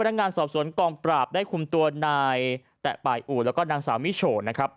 นักงานสอบสวนกองปราบได้คุมตัวนายแตะป่ายอู่แล้วก็นางสาวมิโฉนนะครับ